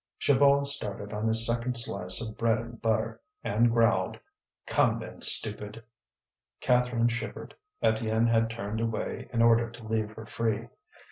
Chaval started on his second slice of bread and butter, and growled: "Come then, stupid!" Catherine shivered. Étienne had turned away in order to leave her free.